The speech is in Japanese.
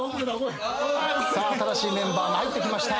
さあ新しいメンバーが入ってきました。